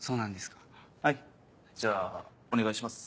じゃあお願いします。